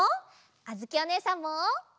あづきおねえさんも！